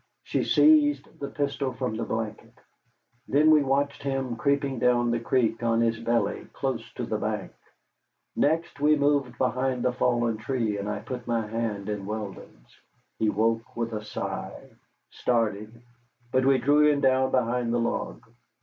She seized the pistol from the blanket. Then we watched him creeping down the creek on his belly, close to the bank. Next we moved behind the fallen tree, and I put my hand in Weldon's. He woke with a sigh, started, but we drew him down behind the log.